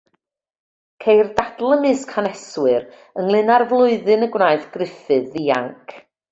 Ceir dadl ymysg haneswyr ynglŷn â'r flwyddyn y gwnaeth Gruffudd ddianc.